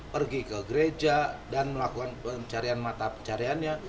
pergi ke gereja dan melakukan pencarian mata pencariannya